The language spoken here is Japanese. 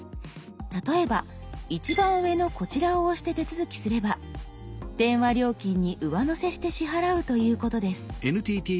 例えば一番上のこちらを押して手続きすれば電話料金に上乗せして支払うということです。